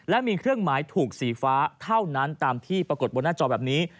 และมีเครื่องหมายถูกสีฟ้าเท่านั้นตามที่ปรากฏบนหน้าจอแบบนี้